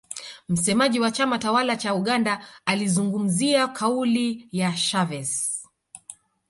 msemaji wa chama tawala cha uganda alizungumzia kauli ya chavez